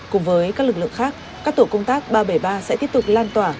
cùng với các lực lượng khác các tổ công tác ba trăm bảy mươi ba sẽ tiếp tục lan tỏa